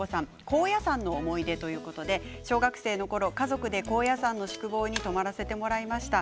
高野山の思い出ということで小学生のころ家族で高野山の宿坊に泊まらせてもらいました。